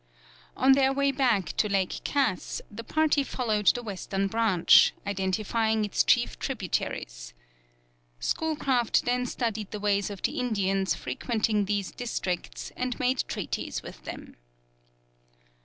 On their way back to Lake Cass, the party followed the western branch, identifying its chief tributaries. Schoolcraft then studied the ways of the Indians frequenting these districts, and made treaties with them.